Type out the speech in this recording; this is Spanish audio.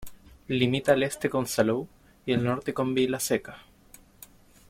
Limita al Este con Salou y al Norte con Vilaseca.